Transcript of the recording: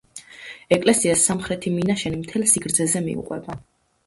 ეკლესიას სამხრეთი მინაშენი მთელ სიგრძეზე მიუყვება.